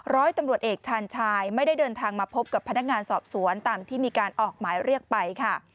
ร้อยตำรวจเอกชาญชายไม่ได้เดินทางมาพบกับพนักงานสอบสวนตามที่มีการออกหมายเรียกไปค่ะ